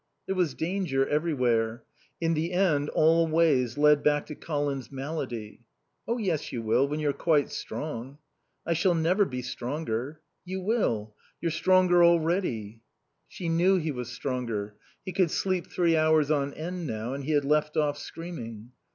There was danger everywhere. In the end all ways led back to Colin's malady. "Oh yes, you wall when you're quite strong." "I shall never be stronger." "You will. You're stronger already." She knew he was stronger. He could sleep three hours on end now and he had left off screaming.